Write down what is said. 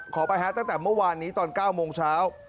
ขอไปฮะตั้งแต่เมื่อวานนี้ตอน๙โมงเช้า